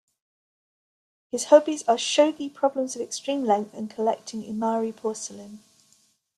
His hobbies are shogi problems of extreme length and collecting Imari porcelain.